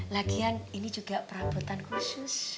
lagian ini juga perabotan khusus